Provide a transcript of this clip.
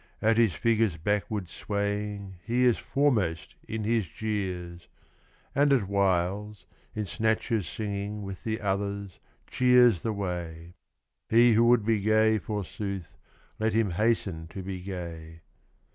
At his figure's backward swaying He is foremost in his jeers ; And at whiles, in snatches singing With the others, cheers the way : He who would be gay, forsooth. Let him hasten to be gay.